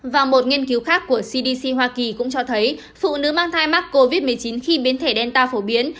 và một nghiên cứu khác của cdc hoa kỳ cũng cho thấy phụ nữ mang thai mắc covid một mươi chín khi biến thể delta phổ biến